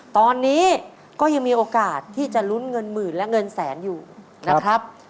ตอนนี้ก็ยังมีโอกาสที่จะลุ้นเงินหมื่นและเงินแสนอยู่นะครับ